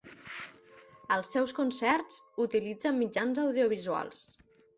Als seus concerts utilitza mitjans audiovisuals.